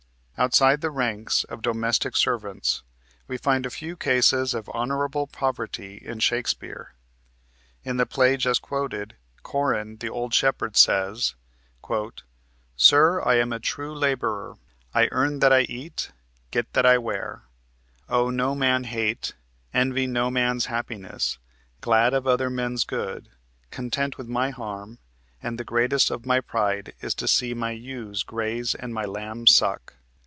Outside the ranks of domestic servants we find a few cases of honorable poverty in Shakespeare. In the play just quoted, Corin, the old shepherd, says: "Sir, I am a true laborer; I earn that I eat, get that I wear; owe no man hate, envy no man's happiness; glad of other men's good, content with my harm; and the greatest of my pride is to see my ewes graze and my lambs suck."